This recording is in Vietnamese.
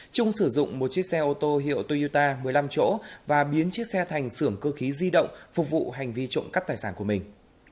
trung sử dụng một chiếc xe ô tô hiệu toyota một mươi năm chỗ và biến chiếc xe thành xưởng cơ khí di động phục vụ hành vi trộm cắp tài sản của mình